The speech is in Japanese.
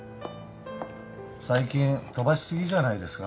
最近飛ばし過ぎじゃないですか？